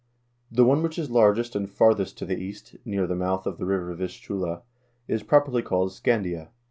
The one which is largest and farthest to the east, near the mouth of the river Vistula, is properly called Scandia.